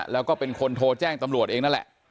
แล้วก็เป็นคนโทรแจ้งตำรวจเองนั่นแหละ